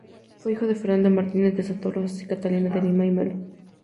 Fue hijo de Fernando Martínez de Soto Rozas y Catalina de Lima y Melo.